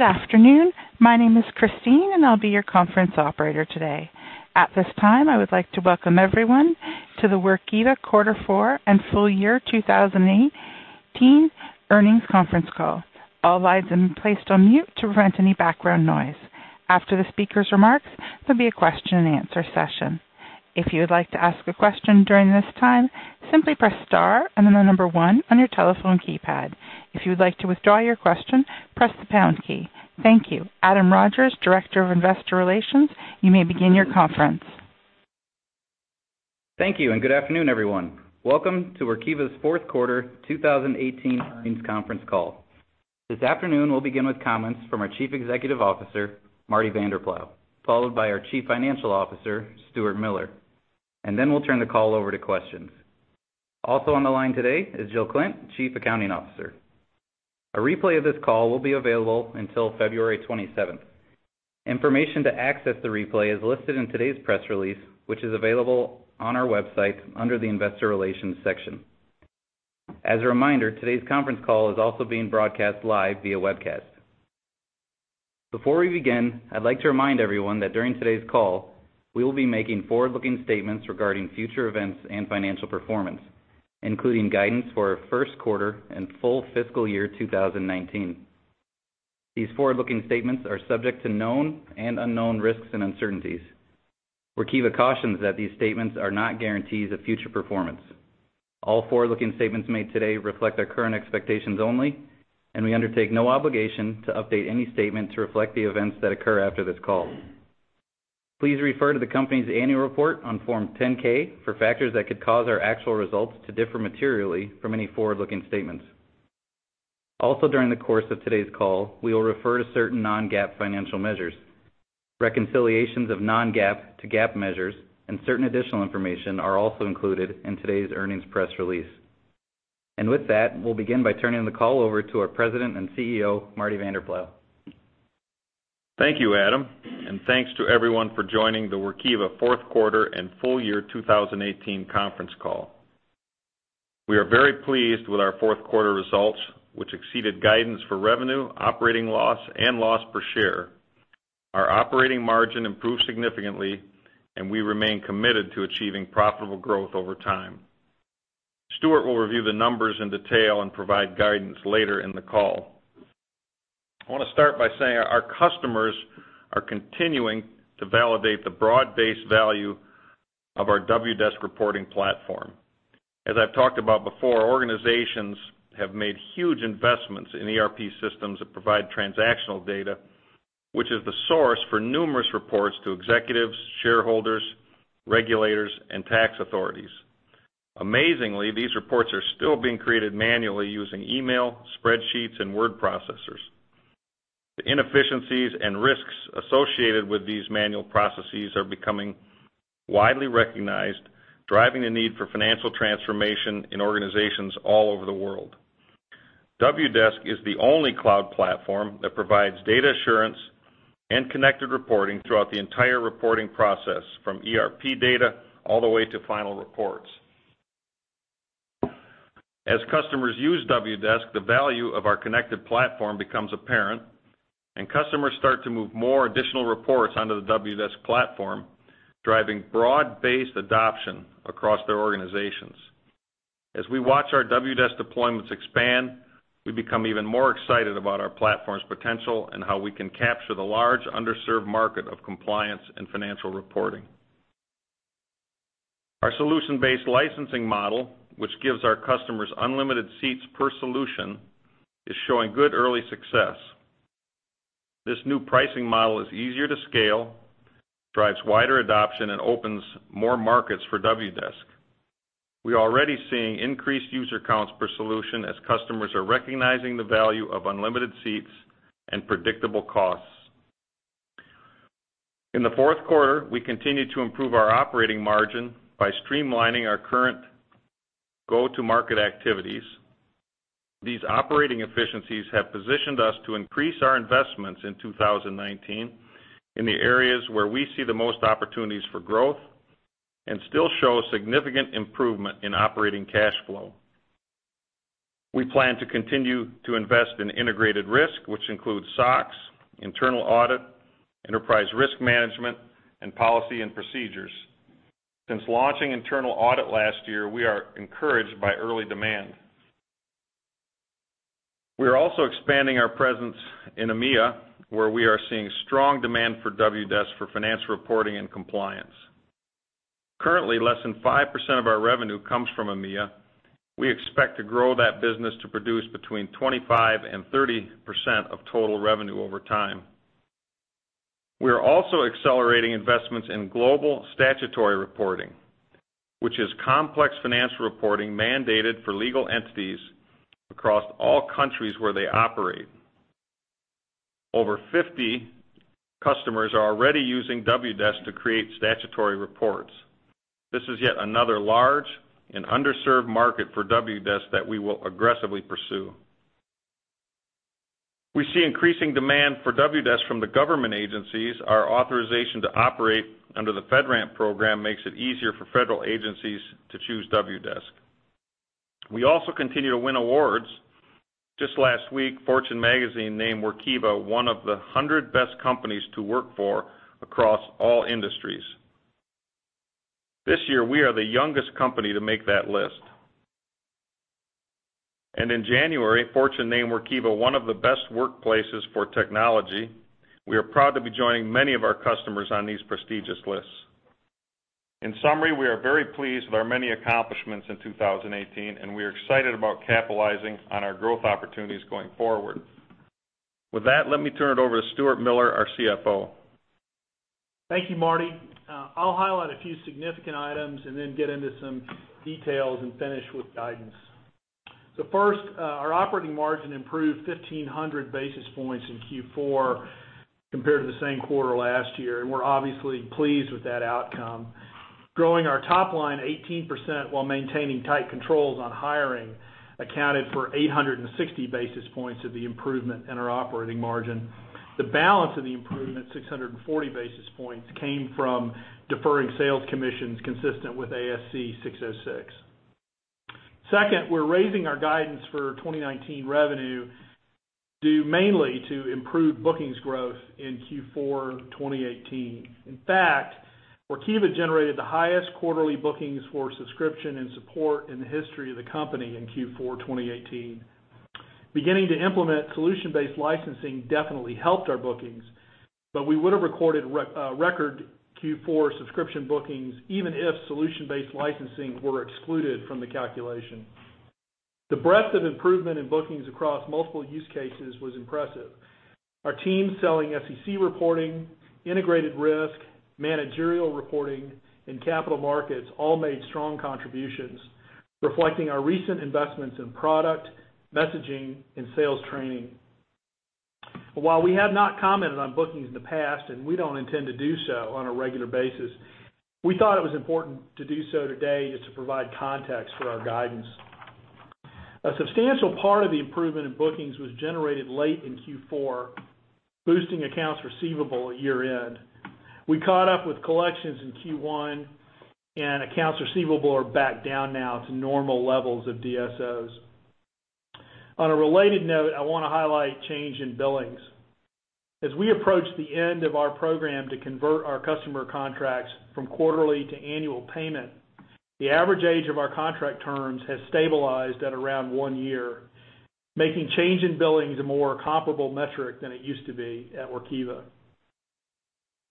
Good afternoon. My name is Christine, and I'll be your conference operator today. At this time, I would like to welcome everyone to the Workiva quarter four and full year 2018 earnings conference call. All lines have been placed on mute to prevent any background noise. After the speaker's remarks, there'll be a question and answer session. If you would like to ask a question during this time, simply press star and then the number one on your telephone keypad. If you would like to withdraw your question, press the pound key. Thank you. Adam Terese, Director of Investor Relations, you may begin your conference. Thank you. Good afternoon, everyone. Welcome to Workiva's fourth quarter 2018 earnings conference call. This afternoon, we'll begin with comments from our Chief Executive Officer, Marty Vanderploeg, followed by our Chief Financial Officer, Stuart Miller. Then we'll turn the call over to questions. Also on the line today is Jill Klindt, Chief Accounting Officer. A replay of this call will be available until February 27th. Information to access the replay is listed in today's press release, which is available on our website under the investor relations section. As a reminder, today's conference call is also being broadcast live via webcast. Before we begin, I'd like to remind everyone that during today's call, we will be making forward-looking statements regarding future events and financial performance, including guidance for our first quarter and full fiscal year 2019. These forward-looking statements are subject to known and unknown risks and uncertainties. Workiva cautions that these statements are not guarantees of future performance. All forward-looking statements made today reflect our current expectations only, and we undertake no obligation to update any statement to reflect the events that occur after this call. Please refer to the company's annual report on Form 10-K for factors that could cause our actual results to differ materially from any forward-looking statements. Also, during the course of today's call, we will refer to certain non-GAAP financial measures. Reconciliations of non-GAAP to GAAP measures and certain additional information are also included in today's earnings press release. With that, we'll begin by turning the call over to our President and CEO, Marty Vanderploeg. Thank you, Adam. Thanks to everyone for joining the Workiva fourth quarter and full year 2018 conference call. We are very pleased with our fourth quarter results, which exceeded guidance for revenue, operating loss, and loss per share. Our operating margin improved significantly, and we remain committed to achieving profitable growth over time. Stuart will review the numbers in detail and provide guidance later in the call. I want to start by saying our customers are continuing to validate the broad-based value of our Wdesk reporting platform. As I've talked about before, organizations have made huge investments in ERP systems that provide transactional data, which is the source for numerous reports to executives, shareholders, regulators, and tax authorities. Amazingly, these reports are still being created manually using email, spreadsheets, and word processors. The inefficiencies and risks associated with these manual processes are becoming widely recognized, driving the need for financial transformation in organizations all over the world. Wdesk is the only cloud platform that provides data assurance and connected reporting throughout the entire reporting process, from ERP data all the way to final reports. As customers use Wdesk, the value of our connected platform becomes apparent, and customers start to move more additional reports onto the Wdesk platform, driving broad-based adoption across their organizations. As we watch our Wdesk deployments expand, we become even more excited about our platform's potential and how we can capture the large underserved market of compliance and financial reporting. Our solution-based licensing model, which gives our customers unlimited seats per solution, is showing good early success. This new pricing model is easier to scale, drives wider adoption, and opens more markets for Wdesk. We are already seeing increased user counts per solution as customers are recognizing the value of unlimited seats and predictable costs. In the fourth quarter, we continued to improve our operating margin by streamlining our current go-to-market activities. These operating efficiencies have positioned us to increase our investments in 2019 in the areas where we see the most opportunities for growth and still show significant improvement in operating cash flow. We plan to continue to invest in integrated risk, which includes SOX, internal audit, enterprise risk management, and policy and procedures. Since launching internal audit last year, we are encouraged by early demand. We are also expanding our presence in EMEA, where we are seeing strong demand for Wdesk for financial reporting and compliance. Currently, less than 5% of our revenue comes from EMEA. We expect to grow that business to produce between 25%-30% of total revenue over time. We are also accelerating investments in global statutory reporting, which is complex financial reporting mandated for legal entities across all countries where they operate. Over 50 customers are already using Wdesk to create statutory reports. This is yet another large and underserved market for Wdesk that we will aggressively pursue. We see increasing demand for Wdesk from the government agencies. Our authorization to operate under the FedRAMP program makes it easier for federal agencies to choose Wdesk. We also continue to win awards. Just last week, Fortune Magazine named Workiva one of the 100 best companies to work for across all industries. This year, we are the youngest company to make that list. In January, Fortune named Workiva one of the best workplaces for technology. We are proud to be joining many of our customers on these prestigious lists. In summary, we are very pleased with our many accomplishments in 2018, we are excited about capitalizing on our growth opportunities going forward. With that, let me turn it over to Stuart Miller, our CFO. Thank you, Marty. I'll highlight a few significant items and then get into some details and finish with guidance. First, our operating margin improved 1,500 basis points in Q4 compared to the same quarter last year, we're obviously pleased with that outcome. Growing our top line 18% while maintaining tight controls on hiring accounted for 860 basis points of the improvement in our operating margin. The balance of the improvement, 640 basis points, came from deferring sales commissions consistent with ASC 606. Second, we're raising our guidance for 2019 revenue, due mainly to improved bookings growth in Q4 2018. In fact, Workiva generated the highest quarterly bookings for subscription and support in the history of the company in Q4 2018. Beginning to implement solution-based licensing definitely helped our bookings, we would have recorded record Q4 subscription bookings even if solution-based licensing were excluded from the calculation. The breadth of improvement in bookings across multiple use cases was impressive. Our team selling SEC reporting, integrated risk, managerial reporting, and capital markets all made strong contributions, reflecting our recent investments in product, messaging, and sales training. While we have not commented on bookings in the past, we don't intend to do so on a regular basis, we thought it was important to do so today just to provide context for our guidance. A substantial part of the improvement in bookings was generated late in Q4, boosting accounts receivable at year-end. We caught up with collections in Q1, accounts receivable are back down now to normal levels of DSOs. On a related note, I want to highlight change in billings. As we approach the end of our program to convert our customer contracts from quarterly to annual payment, the average age of our contract terms has stabilized at around one year, making change in billings a more comparable metric than it used to be at Workiva.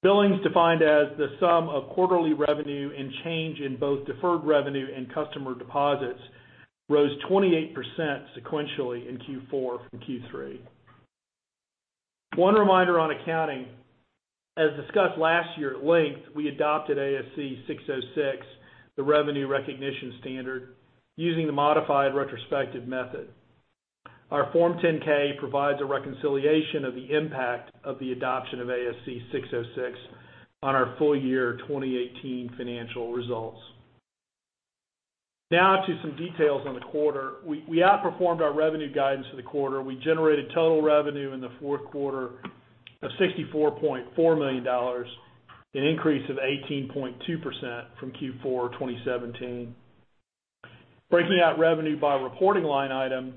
Billings defined as the sum of quarterly revenue and change in both deferred revenue and customer deposits rose 28% sequentially in Q4 from Q3. One reminder on accounting. As discussed last year at length, we adopted ASC 606, the revenue recognition standard, using the modified retrospective method. Our Form 10-K provides a reconciliation of the impact of the adoption of ASC 606 on our full year 2018 financial results. To some details on the quarter. We outperformed our revenue guidance for the quarter. We generated total revenue in the fourth quarter of $64.4 million, an increase of 18.2% from Q4 2017. Breaking out revenue by reporting line item,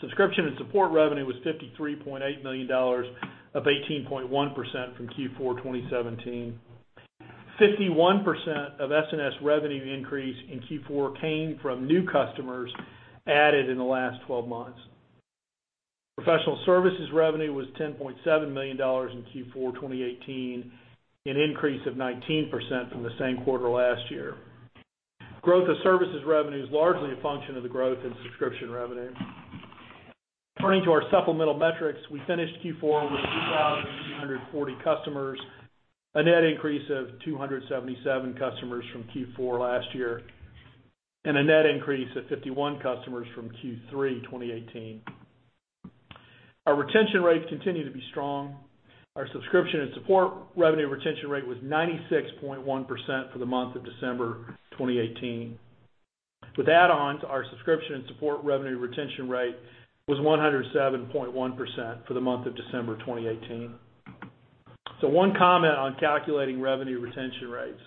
subscription and support revenue was $53.8 million, up 18.1% from Q4 2017. 51% of S&S revenue increase in Q4 came from new customers added in the last 12 months. Professional services revenue was $10.7 million in Q4 2018, an increase of 19% from the same quarter last year. Growth of services revenue is largely a function of the growth in subscription revenue. Turning to our supplemental metrics, we finished Q4 with 2,840 customers, a net increase of 277 customers from Q4 last year, a net increase of 51 customers from Q3 2018. Our retention rates continue to be strong. Our subscription and support revenue retention rate was 96.1% for the month of December 2018. With add-ons, our subscription and support revenue retention rate was 107.1% for the month of December 2018. One comment on calculating revenue retention rates.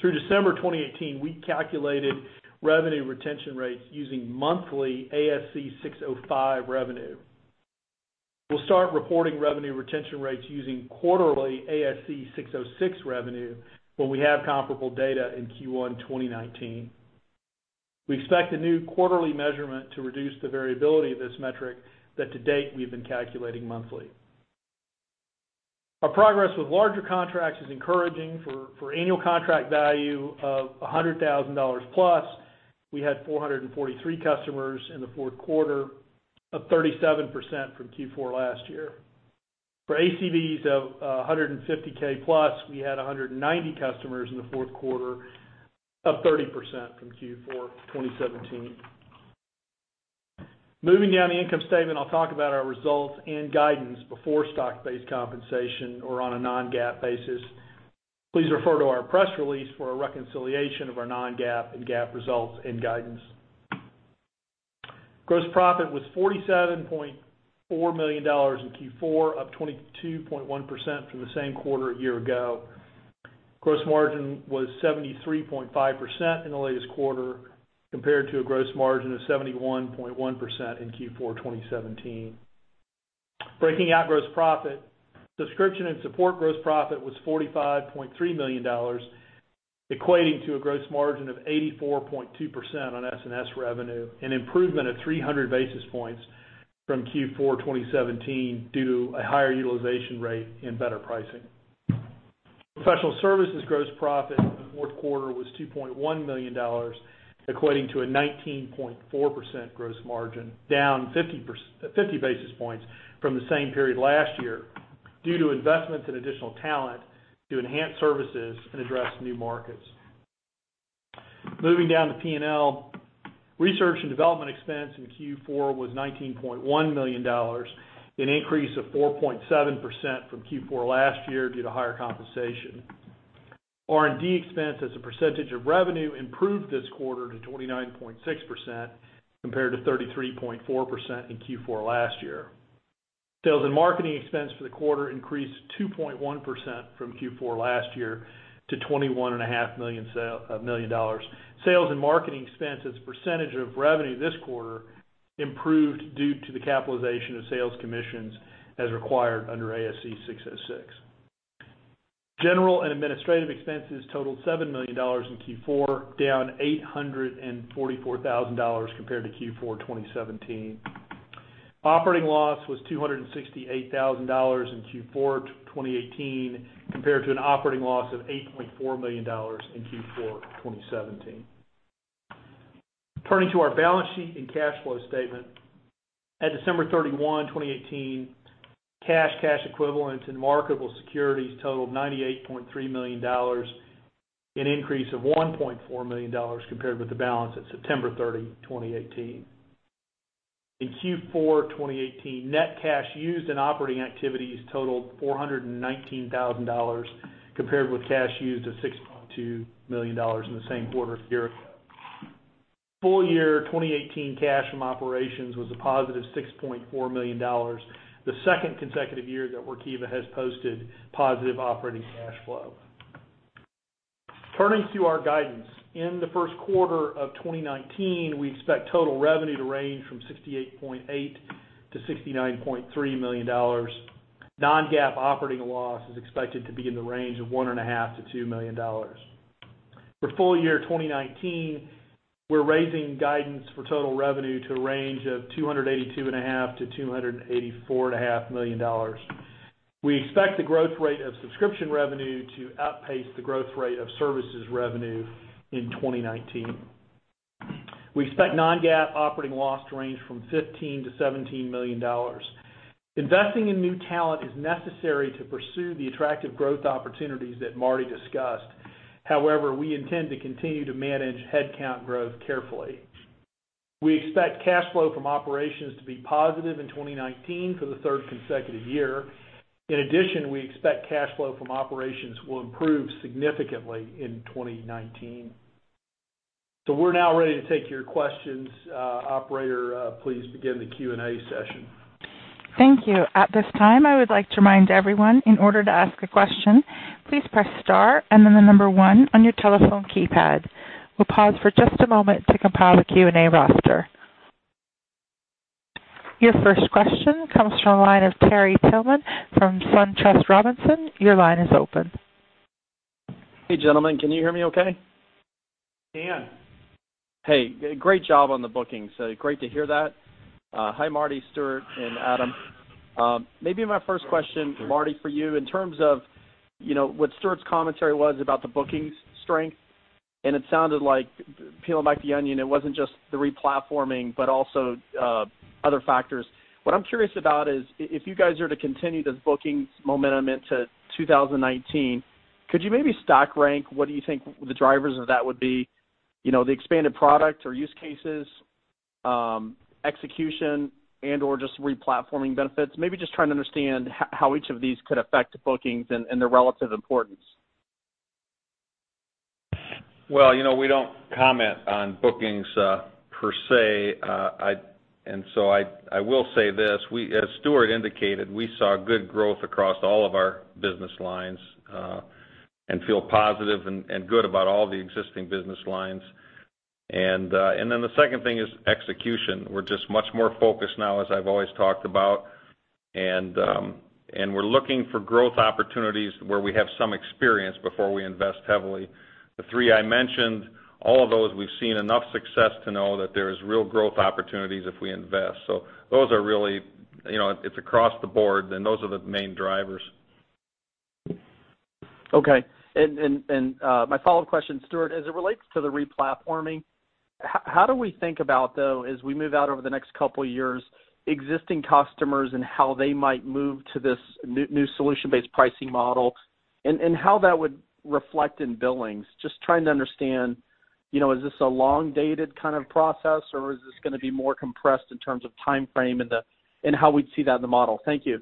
Through December 2018, we calculated revenue retention rates using monthly ASC 605 revenue. We'll start reporting revenue retention rates using quarterly ASC 606 revenue when we have comparable data in Q1 2019. We expect the new quarterly measurement to reduce the variability of this metric that to date we've been calculating monthly. Our progress with larger contracts is encouraging. For annual contract value of $100,000-plus, we had 443 customers in the fourth quarter, up 37% from Q4 last year. For ACVs of $150K-plus, we had 190 customers in the fourth quarter, up 30% from Q4 2017. Moving down the income statement, I'll talk about our results and guidance before stock-based compensation or on a non-GAAP basis. Please refer to our press release for a reconciliation of our non-GAAP and GAAP results and guidance. Gross profit was $47.4 million in Q4, up 22.1% from the same quarter a year ago. Gross margin was 73.5% in the latest quarter, compared to a gross margin of 71.1% in Q4 2017. Breaking out gross profit, subscription and support gross profit was $45.3 million, equating to a gross margin of 84.2% on S&S revenue, an improvement of 300 basis points from Q4 2017 due to a higher utilization rate and better pricing. Professional services gross profit in the fourth quarter was $2.1 million, equating to a 19.4% gross margin, down 50 basis points from the same period last year due to investments in additional talent to enhance services and address new markets. Moving down to P&L, research and development expense in Q4 was $19.1 million, an increase of 4.7% from Q4 last year due to higher compensation. R&D expense as a percentage of revenue improved this quarter to 29.6%, compared to 33.4% in Q4 last year. Sales and marketing expense for the quarter increased 2.1% from Q4 last year to $21.5 million. Sales and marketing expense as a percentage of revenue this quarter improved due to the capitalization of sales commissions as required under ASC 606. General and administrative expenses totaled $7 million in Q4, down $844,000 compared to Q4 2017. Operating loss was $268,000 in Q4 2018, compared to an operating loss of $8.4 million in Q4 2017. Turning to our balance sheet and cash flow statement. At December 31, 2018, cash equivalents, and marketable securities totaled $98.3 million, an increase of $1.4 million compared with the balance at September 30, 2018. In Q4 2018, net cash used in operating activities totaled $419,000, compared with cash used of $6.2 million in the same quarter a year ago. Full year 2018 cash from operations was a positive $6.4 million, the second consecutive year that Workiva has posted positive operating cash flow. Turning to our guidance. In the first quarter of 2019, we expect total revenue to range from $68.8 million-$69.3 million. Non-GAAP operating loss is expected to be in the range of $1.5 million-$2 million. For full year 2019, we're raising guidance for total revenue to a range of $282.5 million-$284.5 million. We expect the growth rate of subscription revenue to outpace the growth rate of services revenue in 2019. We expect non-GAAP operating loss to range from $15 million-$17 million. Investing in new talent is necessary to pursue the attractive growth opportunities that Marty discussed. However, we intend to continue to manage headcount growth carefully. We expect cash flow from operations to be positive in 2019 for the third consecutive year. We expect cash flow from operations will improve significantly in 2019. We're now ready to take your questions. Operator, please begin the Q&A session. Thank you. At this time, I would like to remind everyone, in order to ask a question, please press star and then the number one on your telephone keypad. We'll pause for just a moment to compile a Q&A roster. Your first question comes from the line of Terry Tillman from SunTrust Robinson. Your line is open. Hey, gentlemen. Can you hear me okay? We can. Hey, great job on the bookings. Great to hear that. Hi, Marty, Stuart, and Adam. My first question, Marty, for you, in terms of what Stuart's commentary was about the bookings strength, and it sounded like peeling back the onion, it wasn't just the replatforming, but also other factors. What I'm curious about is, if you guys are to continue this bookings momentum into 2019, could you maybe stock rank what you think the drivers of that would be? The expanded product or use cases, execution, and/or just replatforming benefits. Just trying to understand how each of these could affect the bookings and their relative importance. Well, we don't comment on bookings per se. I will say this. As Stuart indicated, we saw good growth across all of our business lines, and feel positive and good about all the existing business lines. The second thing is execution. We're just much more focused now, as I've always talked about. We're looking for growth opportunities where we have some experience before we invest heavily. The three I mentioned, all of those we've seen enough success to know that there is real growth opportunities if we invest. It's across the board, and those are the main drivers. Okay. My follow-up question, Stuart, as it relates to the replatforming, how do we think about, though, as we move out over the next couple of years, existing customers and how they might move to this new solution-based pricing model, and how that would reflect in billings? Just trying to understand, is this a long-dated kind of process, or is this going to be more compressed in terms of timeframe and how we'd see that in the model? Thank you.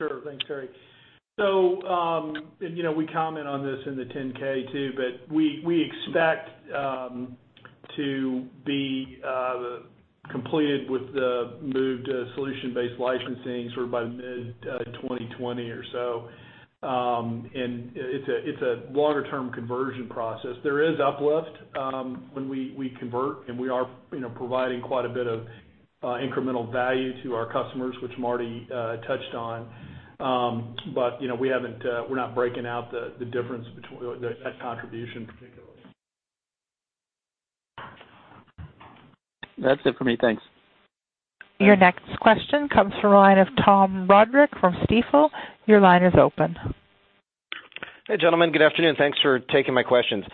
Sure. Thanks, Terry. We comment on this in the 10-K too, but we expect to be completed with the move to solution-based licensing sort of by mid-2020 or so. It's a longer-term conversion process. There is uplift when we convert, and we are providing quite a bit of incremental value to our customers, which Marty touched on. We're not breaking out the difference between that contribution particularly. That's it for me. Thanks. Your next question comes from the line of Tom Roderick from Stifel. Your line is open. Hey, gentlemen. Good afternoon. Thanks for taking my questions.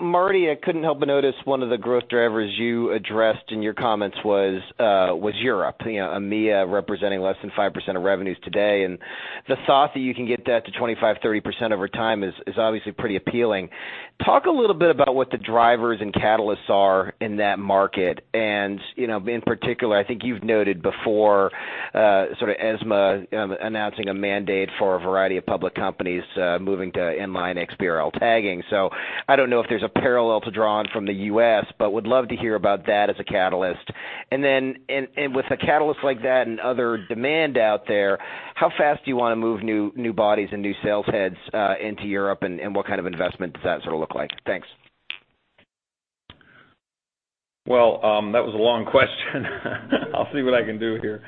Marty, I couldn't help but notice one of the growth drivers you addressed in your comments was Europe, EMEA representing less than 5% of revenues today. The thought that you can get that to 25%-30% over time is obviously pretty appealing. Talk a little bit about what the drivers and catalysts are in that market. In particular, I think you've noted before, sort of ESMA announcing a mandate for a variety of public companies moving to Inline XBRL tagging. I don't know if there's a parallel to draw on from the U.S., but would love to hear about that as a catalyst. With a catalyst like that and other demand out there, how fast do you want to move new bodies and new sales heads into Europe, and what kind of investment does that sort of look like? Thanks. Well, that was a long question. I'll see what I can do here.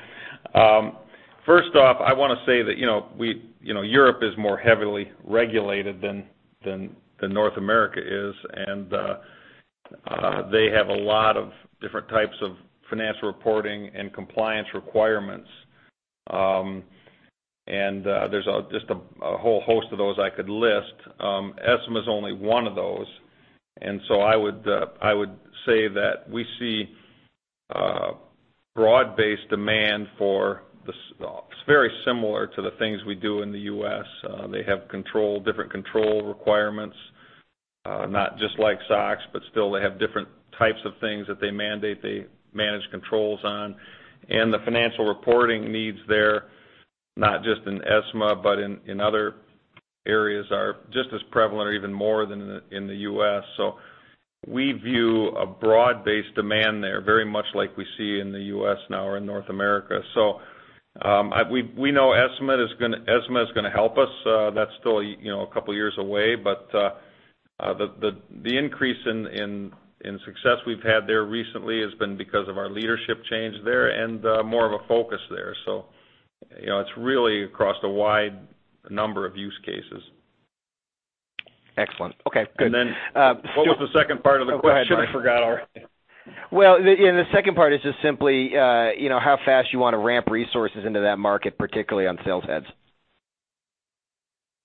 First off, I want to say that Europe is more heavily regulated than North America is, they have a lot of different types of financial reporting and compliance requirements. There's just a whole host of those I could list. ESMA is only one of those. I would say that we see broad-based demand. It's very similar to the things we do in the U.S. They have different control requirements, not just like SOX, but still they have different types of things that they mandate they manage controls on. The financial reporting needs there, not just in ESMA, but in other areas are just as prevalent or even more than in the U.S. We view a broad-based demand there, very much like we see in the U.S. now or in North America. We know ESMA is going to help us. That's still a couple of years away. The increase in success we've had there recently has been because of our leadership change there and more of a focus there. It's really across a wide number of use cases. Excellent. Okay, good. What was the second part of the question? Oh, go ahead, sorry. I forgot already. Well, yeah, the second part is just simply how fast you want to ramp resources into that market, particularly on sales heads.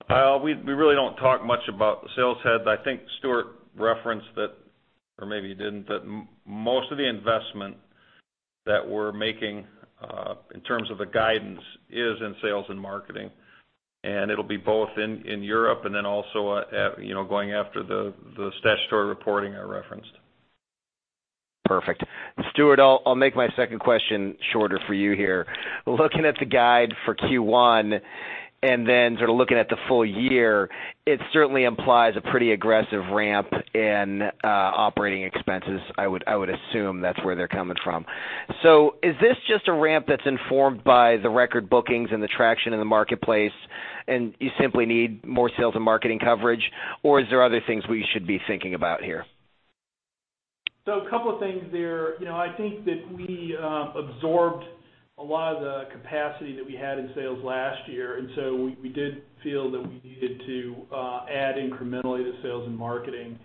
We really don't talk much about the sales heads. I think Stuart referenced that, or maybe he didn't, that most of the investment that we're making, in terms of the guidance, is in sales and marketing. It'll be both in Europe and then also going after the statutory reporting I referenced. Perfect. Stuart, I'll make my second question shorter for you here. Looking at the guide for Q1 and then sort of looking at the full year, it certainly implies a pretty aggressive ramp in operating expenses. I would assume that's where they're coming from. Is this just a ramp that's informed by the record bookings and the traction in the marketplace, and you simply need more sales and marketing coverage, or is there other things we should be thinking about here? A couple of things there. I think that we absorbed a lot of the capacity that we had in sales last year, we did feel that we needed to add incrementally to sales and marketing.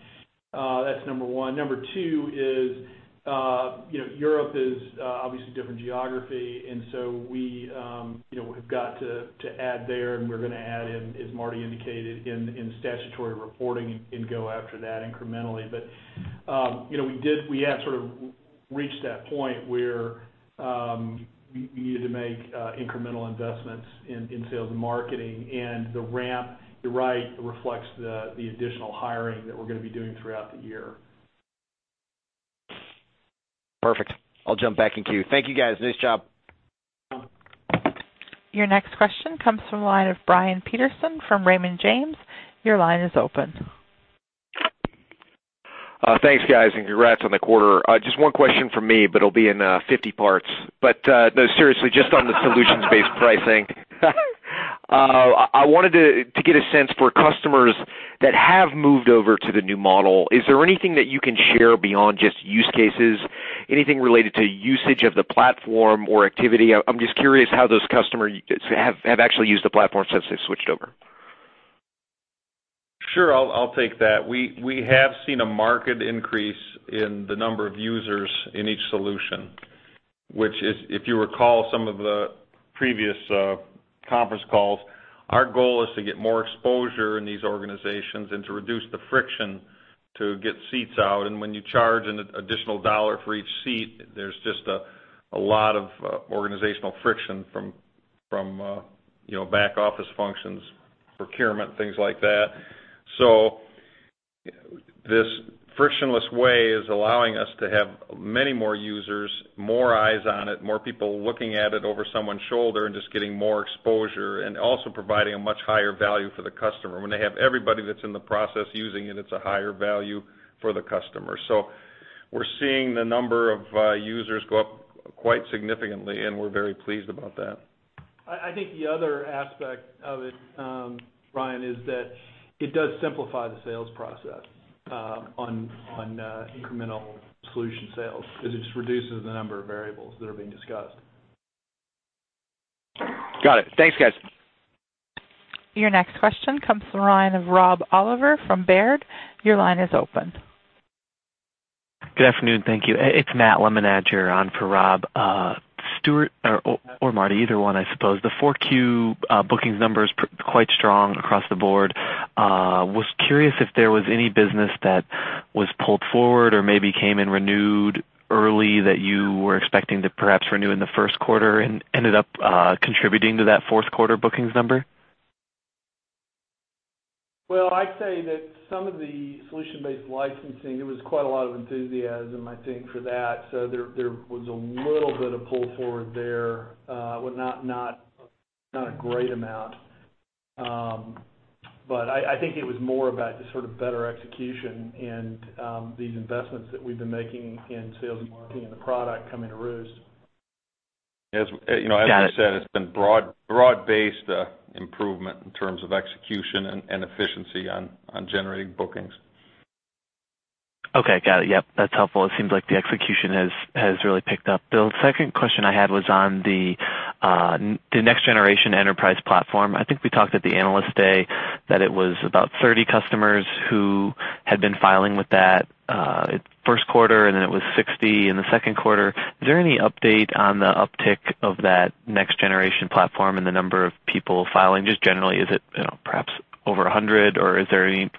That's number one. Number two is Europe is obviously a different geography, we have got to add there, and we're gonna add in, as Marty indicated, in statutory reporting and go after that incrementally. We have sort of reached that point where we needed to make incremental investments in sales and marketing, and the ramp, you're right, reflects the additional hiring that we're gonna be doing throughout the year. Perfect. I'll jump back in queue. Thank you, guys. Nice job. Your next question comes from the line of Brian Peterson from Raymond James. Your line is open. Thanks, guys, and congrats on the quarter. Just one question from me, but it'll be in 50 parts. No, seriously, just on the solutions-based pricing. I wanted to get a sense for customers that have moved over to the new model, is there anything that you can share beyond just use cases? Anything related to usage of the platform or activity? I'm just curious how those customers have actually used the platform since they've switched over. Sure. I'll take that. We have seen a marked increase in the number of users in each solution, which is, if you recall some of the previous conference calls, our goal is to get more exposure in these organizations and to reduce the friction to get seats out. When you charge an additional dollar for each seat, there's just a lot of organizational friction from back office functions, procurement, things like that. This frictionless way is allowing us to have many more users, more eyes on it, more people looking at it over someone's shoulder and just getting more exposure, and also providing a much higher value for the customer. When they have everybody that's in the process using it's a higher value for the customer. We're seeing the number of users go up quite significantly, and we're very pleased about that. I think the other aspect of it, Brian, is that it does simplify the sales process on incremental solution sales, because it just reduces the number of variables that are being discussed. Got it. Thanks, guys. Your next question comes from the line of Rob Oliver from Baird. Your line is open. Good afternoon. Thank you. It's Matt Lemenager on for Rob. Stuart or Marty, either one, I suppose. The 4Q bookings numbers quite strong across the board. Was curious if there was any business that was pulled forward or maybe came and renewed early that you were expecting to perhaps renew in the first quarter and ended up contributing to that fourth quarter bookings number? I'd say that some of the solution-based licensing, there was quite a lot of enthusiasm, I think, for that. There was a little bit of pull forward there. Not a great amount. I think it was more about just sort of better execution and these investments that we've been making in sales and marketing and the product coming to roost. As you know, as I said, it's been broad-based improvement in terms of execution and efficiency on generating bookings. Okay, got it. Yep, that's helpful. It seems like the execution has really picked up. The second question I had was on the next generation enterprise platform. I think we talked at the Analyst Day that it was about 30 customers who had been filing with that first quarter, and then it was 60 in the second quarter. Is there any update on the uptick of that next generation platform and the number of people filing? Just generally, is it perhaps over 100, or is there any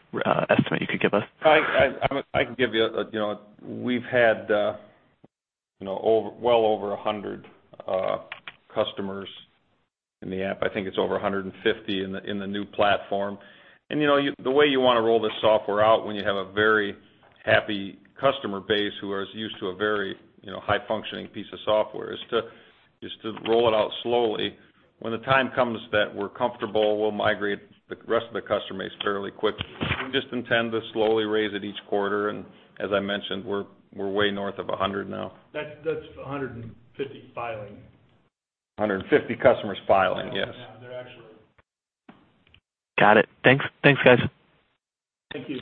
estimate you could give us? I can give you. We've had well over 100 customers in the app. I think it's over 150 in the new platform. The way you want to roll this software out when you have a very happy customer base who is used to a very high-functioning piece of software is to roll it out slowly. When the time comes that we're comfortable, we'll migrate the rest of the customer base fairly quickly. We just intend to slowly raise it each quarter, and as I mentioned, we're way north of 100 now. That's 150 filing. 150 customers filing, yes. Yeah, they're actual. Got it. Thanks, guys. Thank you.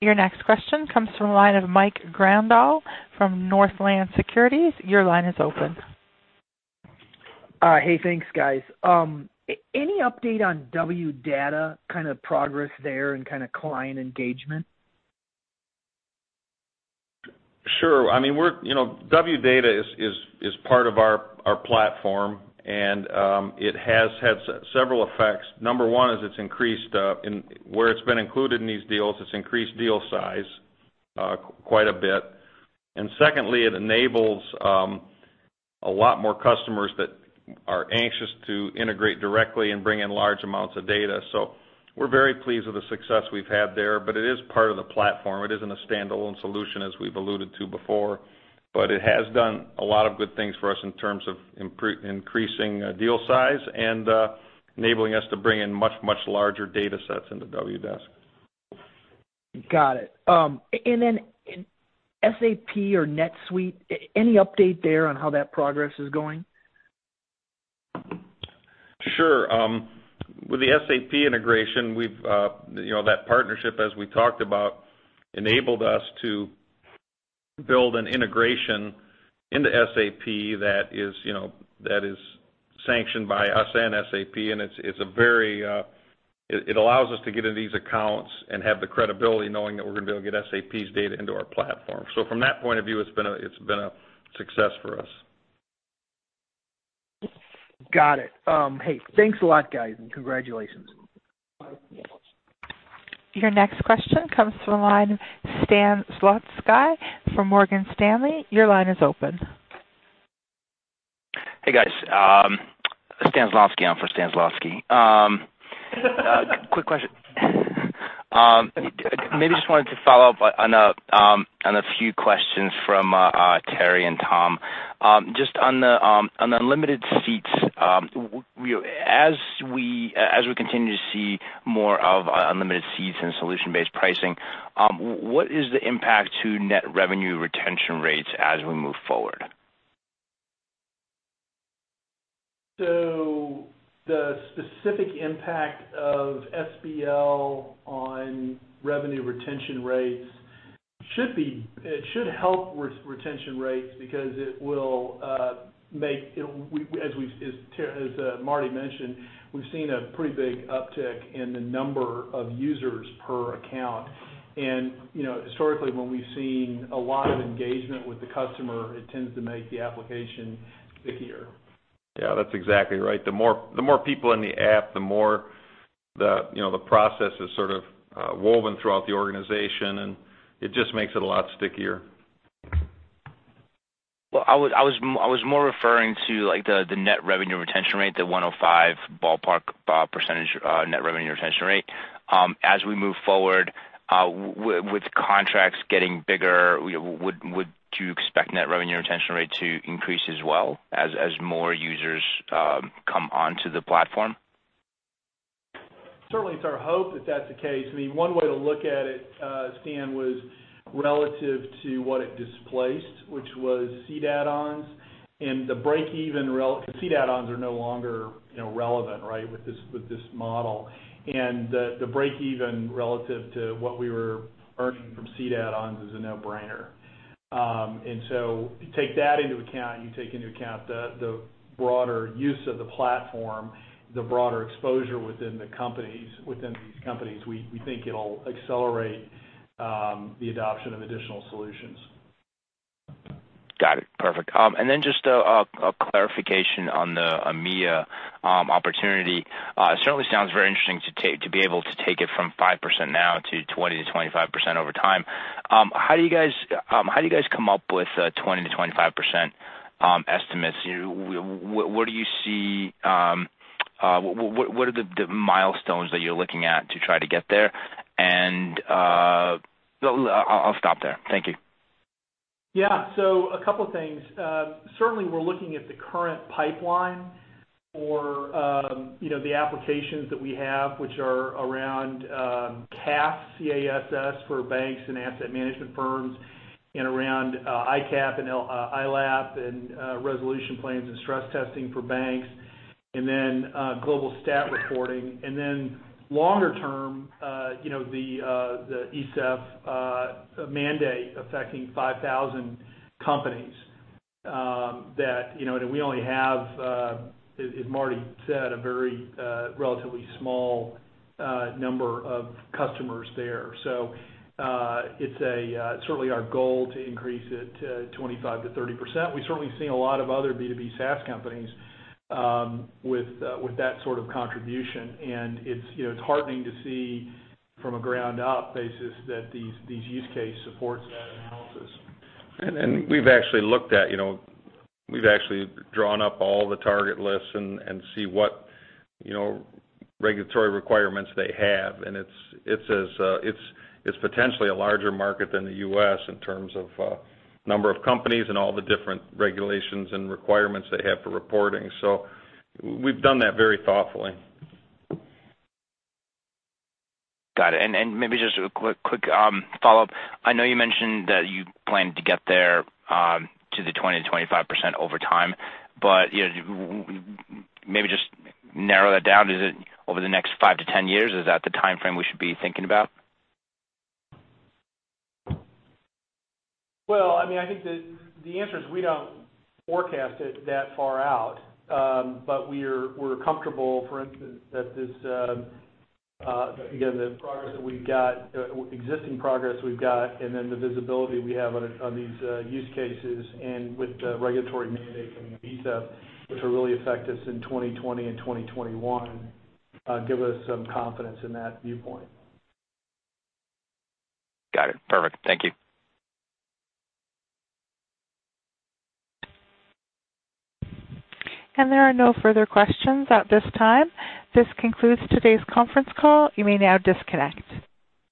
Your next question comes from the line of Mike Grondahl from Northland Securities. Your line is open. Hey, thanks guys. Any update on Wdata, progress there, and client engagement? Sure. Wdata is part of our platform. It has had several effects. Number one is where it's been included in these deals, it's increased deal size quite a bit. Secondly, it enables a lot more customers that are anxious to integrate directly and bring in large amounts of data. We're very pleased with the success we've had there, but it is part of the platform. It isn't a standalone solution, as we've alluded to before, but it has done a lot of good things for us in terms of increasing deal size and enabling us to bring in much, much larger data sets into Wdesk. Got it. SAP or NetSuite, any update there on how that progress is going? Sure. With the SAP integration, that partnership, as we talked about, enabled us to build an integration into SAP that is sanctioned by us and SAP. It allows us to get into these accounts and have the credibility knowing that we're going to be able to get SAP's data into our platform. From that point of view, it's been a success for us. Got it. Hey, thanks a lot, guys, and congratulations. Your next question comes from the line, Stan Zlotsky from Morgan Stanley. Your line is open. Hey, guys. Stan Zlotsky on for Stan Zlotsky. Quick question. Maybe just wanted to follow up on a few questions from Terry and Tom. Just on the unlimited seats, as we continue to see more of unlimited seats and solution-based pricing, what is the impact to net revenue retention rates as we move forward? The specific impact of SBL on revenue retention rates, it should help retention rates because As Marty mentioned, we've seen a pretty big uptick in the number of users per account. Historically, when we've seen a lot of engagement with the customer, it tends to make the application stickier. Yeah, that's exactly right. The more people in the app, the more the process is sort of woven throughout the organization, and it just makes it a lot stickier. Well, I was more referring to the net revenue retention rate, the 105% ballpark net revenue retention rate. As we move forward with contracts getting bigger, would you expect net revenue retention rate to increase as well as more users come onto the platform? Certainly, it's our hope that that's the case. One way to look at it, Stan, was relative to what it displaced, which was seat add-ons, because seat add-ons are no longer relevant with this model. The break-even relative to what we were earning from seat add-ons is a no-brainer. So you take that into account, you take into account the broader use of the platform, the broader exposure within these companies, we think it'll accelerate the adoption of additional solutions. Got it. Perfect. Just a clarification on the EMEA opportunity. It certainly sounds very interesting to be able to take it from 5% now to 20%-25% over time. How do you guys come up with 20%-25% estimates? What are the milestones that you're looking at to try to get there? I'll stop there. Thank you. A couple things. Certainly, we're looking at the current pipeline for the applications that we have, which are around CASS, C-A-S-S, for banks and asset management firms, and around ICAAP and ILAAP and resolution plans and stress testing for banks, then global stat reporting. Longer term, the ESEF mandate affecting 5,000 companies that we only have, as Marty said, a very relatively small number of customers there. It's certainly our goal to increase it to 25%-30%. We've certainly seen a lot of other B2B SaaS companies with that sort of contribution, and it's heartening to see from a ground-up basis that these use cases support that analysis. We've actually drawn up all the target lists and see what regulatory requirements they have, and it's potentially a larger market than the U.S. in terms of number of companies and all the different regulations and requirements they have for reporting. We've done that very thoughtfully. Got it. Maybe just a quick follow-up. I know you mentioned that you plan to get there to the 20%-25% over time, maybe just narrow that down. Is it over the next five to 10 years? Is that the timeframe we should be thinking about? I think the answer is we don't forecast it that far out. We're comfortable that the progress that we've got, existing progress we've got, and the visibility we have on these use cases and with the regulatory mandate from ESEF, which will really affect us in 2020 and 2021, give us some confidence in that viewpoint. Got it. Perfect. Thank you. There are no further questions at this time. This concludes today's conference call. You may now disconnect.